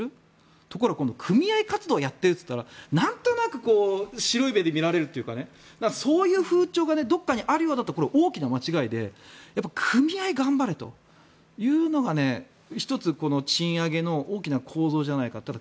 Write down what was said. ところが今度は組合活動をやっていると言ったらなんとなく白い目で見られるというかそういう風潮がどこかにあるようだと大きな間違いで組合頑張れというのが１つ、賃上げの大きな構造じゃないかなって。